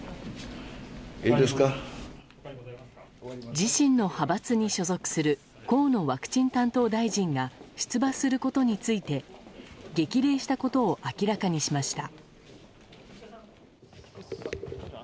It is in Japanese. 自身の派閥に所属する河野ワクチン担当大臣が出馬することについて激励したことを明らかにしました。